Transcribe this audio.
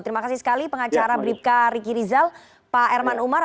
terima kasih sekali pengacara bribka riki rizal pak herman umar